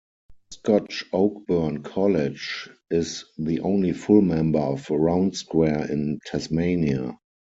Scotch Oakburn College is the only full member of Round Square in Tasmania.